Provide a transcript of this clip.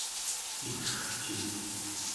iterci!